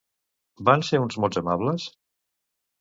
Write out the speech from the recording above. Van ser uns mots amables?